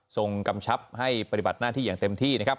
กำชับให้ปฏิบัติหน้าที่อย่างเต็มที่นะครับ